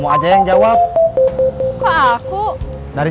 kau aja yang jawab ke aku dari